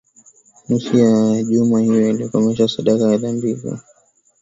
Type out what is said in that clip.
nusu ya juma hiyo ataikomesha sadaka na dhabihu na mahali pake litasimama chukizo la